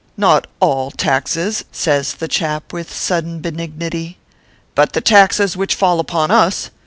Not all taxes," says the chap with sud den benignity, "but the taxes which fall upon us.